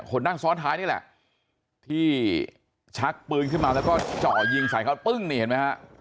คนนั่งซ้อนท้ายนี่แหละที่ชักปืนขึ้นมาแล้วก็เจาะยิงใส่เขาปึ้งนี่เห็นไหมฮะ